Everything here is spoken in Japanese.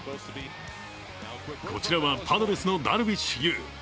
こちらはパドレスのダルビッシュ有。